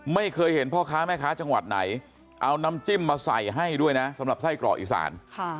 ไม่เคยเห็นพ่อค้าแม่ค้าจังหวัดไหนเอาน้ำจิ้มมาใส่ให้ด้วยนะสำหรับไส้กรอกอีสาน